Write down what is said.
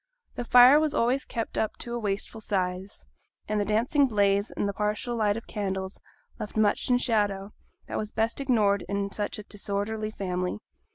The fire was always kept up to a wasteful size, and the dancing blaze and the partial light of candles left much in shadow that was best ignored in such a disorderly family.